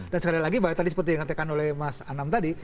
dan sekali lagi seperti yang dikatakan oleh mas anam tadi